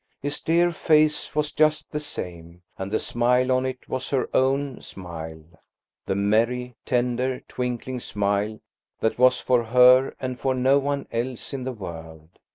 His dear face was just the same, and the smile on it was her own smile–the merry, tender, twinkling smile that was for her and for no one else in the world.